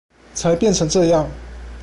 才變成這樣